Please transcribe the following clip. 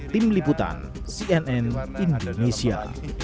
tim liputan cnn indonesia